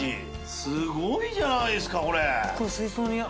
すごいじゃないですかこれ。